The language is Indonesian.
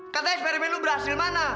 katanya eksperimen lu berhasil mana